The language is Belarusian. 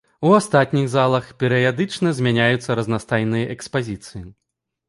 У астатніх залах перыядычна змяняюцца разнастайныя экспазіцыі.